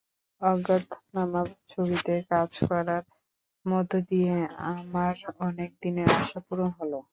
অজ্ঞাতনামা ছবিতে কাজ করার মধ্য দিয়ে আমার অনেক দিনের আশা পূরণ হলো।